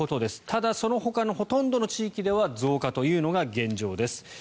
ただそのほかのほとんどの地域では増加というのが現状です。